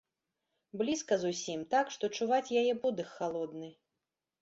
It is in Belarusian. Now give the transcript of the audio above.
Блізка зусім, так, што чуваць яе подых халодны.